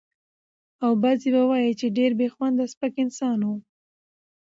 او بعضې به وايي چې ډېر بې خونده سپک انسان و.